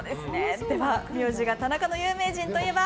名字が田中の有名人といえば？